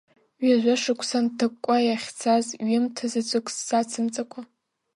Ҩажәа шықәса нҭакәкәа иахьцаз ҩымҭа заҵәык сзацымҵакәа!